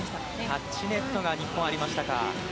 タッチネットが日本、ありましたか。